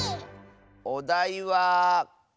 おだいは「か」！